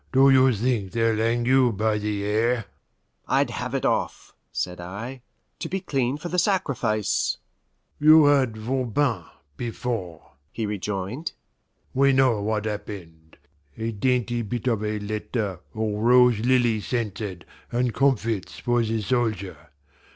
"Do you think they'll hang you by the hair?" "I'd have it off," said I, "to be clean for the sacrifice." "You had Voban before," he rejoined; "we know what happened a dainty bit of a letter all rose lily scented, and comfits for the soldier.